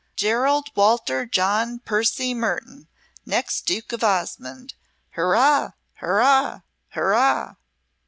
Gerald Walter John Percy Mertoun, next Duke of Osmonde! Hurrah, hurrah, hurrah!"